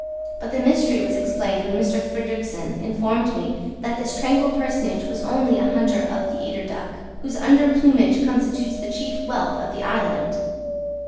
But the mystery was explained when M. Fridrikssen informed me that this tranquil personage was only a hunter of the eider duck, whose under plumage constitutes the chief wealth of the island.